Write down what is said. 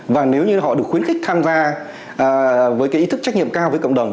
và nếu như họ được khuyến khích tham gia với cái ý thức trách nhiệm cao với cộng đồng